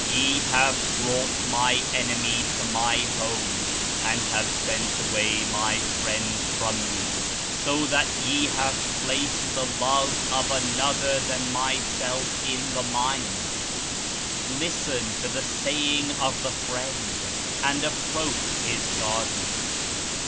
Ye have brought My enemy to My home and have sent away My Friend from ye; so that ye have placed the love of another than Myself in the mind. Listen to the Saying of the Friend, and approach His Garden.